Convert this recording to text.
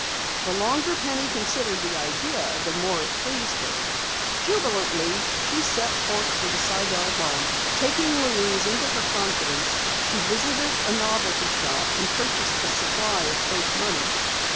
The longer Penny considered the idea, the more it pleased her. Jubilantly, she set forth for the Sidell home. Taking Louise into her confidence, she visited a novelty shop and purchased a supply of fake money.